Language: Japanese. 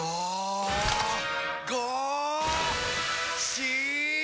し！